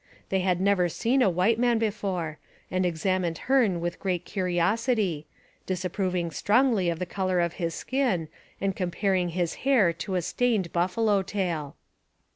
They had never seen a white man before and examined Hearne with great curiosity, disapproving strongly of the colour of his skin and comparing his hair to a stained buffalo tail.